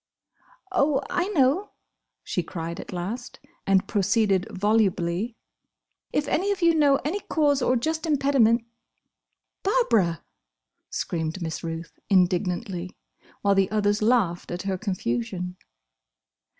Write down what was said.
"Oh! I know!" she cried at last, and proceeded volubly, "'If any of you know of any cause or just impediment—'" "Barbara!" screamed Miss Ruth, indignantly, while the others laughed at her confusion.